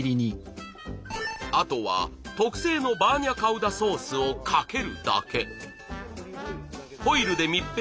あとは特製のバーニャカウダソースをかけるだけ。